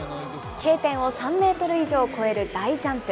Ｋ点を３メートル以上超える大ジャンプ。